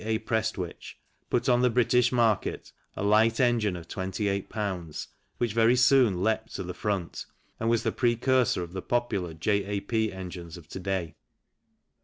A. Prestwich, put on the British market a light engine of 28 Ibs. which very soon leapt to the front, and was the precursor of the popular J.A.P. engines of to day.